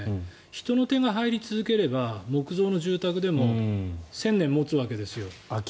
人の手が入り続ければ木造の住宅でも１０００年持つわけですよ。